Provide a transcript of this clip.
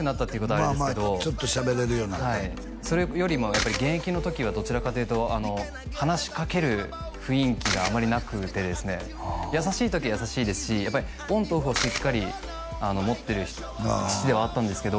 あれですけどちょっと喋れるようになったはいそれよりも現役の時はどちらかというと話しかける雰囲気があまりなくてですね優しい時優しいですしやっぱりオンとオフをしっかり持ってる父ではあったんですけど